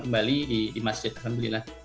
kembali di masjid alhamdulillah